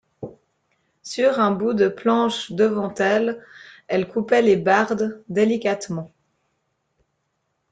Sur un bout de planche, devant elle, elle coupait les bardes, délicatement.